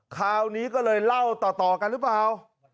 คราวนี้ก็เลยเล่าต่อกันหรือเปล่า